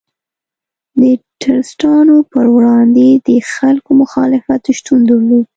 د ټرستانو پر وړاندې د خلکو مخالفت شتون درلود.